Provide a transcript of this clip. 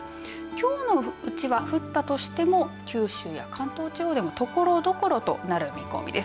きょうのうちは降ったとしても九州や関東地方でもところどころとなる見込みです。